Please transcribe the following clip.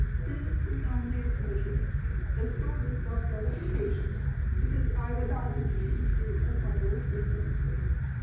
This is only a pleasure. A sort of self gratification, because I've adopted you, you see, as my little sister."